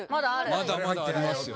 まだまだありますよ。